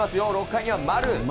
６回には丸。